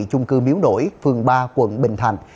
chung cư miếu nổi phường ba quận bình thành